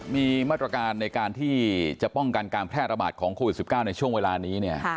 มีมาตรการในการที่จะป้องกันการแพร่ระบาดของโควิด๑๙ในช่วงเวลานี้